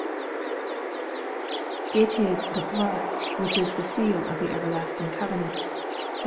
12). It is the blood which is the seal of the everlasting covenant (Heb.